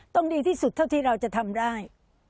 ดีที่สุดเท่าที่เราจะทำได้